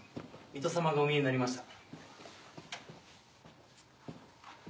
・水戸様がおみえになりました。